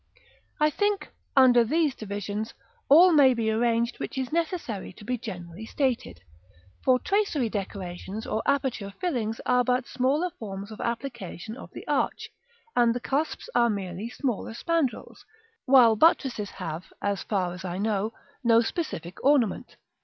I think, under these divisions, all may be arranged which is necessary to be generally stated; for tracery decorations or aperture fillings are but smaller forms of application of the arch, and the cusps are merely smaller spandrils, while buttresses have, as far as I know, no specific ornament.